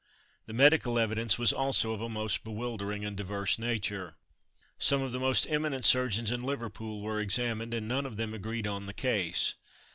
The medical evidence was also of a most bewildering and diverse nature. Some of the most eminent surgeons in Liverpool were examined, and none of them agreed on the case.